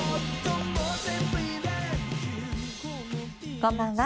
こんばんは。